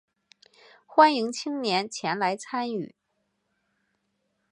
欢迎青年前来参与